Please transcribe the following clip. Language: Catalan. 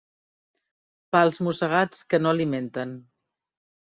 Pals mossegats que no alimenten.